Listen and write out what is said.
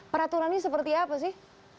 peraturan ini seperti apa sih